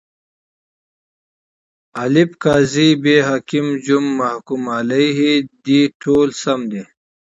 الف: قاضي ب: حاکم ج: محکوم علیه د: ټوله سم دي.